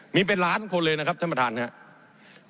มีเป็นล้านคนเลยนะครับท่านประธานครับ